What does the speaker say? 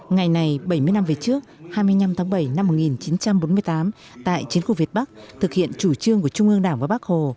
ngày này bảy mươi năm về trước hai mươi năm tháng bảy năm một nghìn chín trăm bốn mươi tám tại chiến khu việt bắc thực hiện chủ trương của trung ương đảng và bác hồ